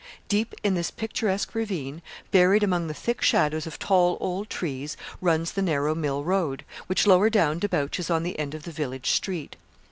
Deep in this picturesque ravine, buried among the thick shadows of tall old trees, runs the narrow mill road, which lower down debouches on the end of the village street.